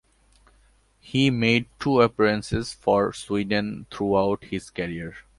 He made two appearances for Sweden throughout his career.